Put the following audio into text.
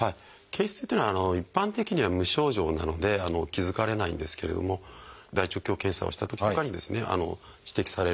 憩室っていうのは一般的には無症状なので気付かれないんですけれども大腸鏡検査をしたときとかに指摘されることが多いですね。